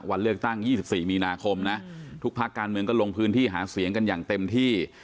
วันเลือกตั้ง๒๔มีนาคมนะทุกภาคการเมืองก็ลงพื้นที่หาเสียงกันอย่างเต็มที่